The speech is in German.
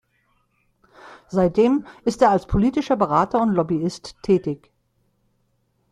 Seitdem ist er als politischer Berater und Lobbyist tätig.